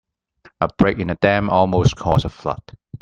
A break in the dam almost caused a flood.